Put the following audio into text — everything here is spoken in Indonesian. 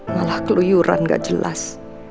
malah keluyuran gak jelas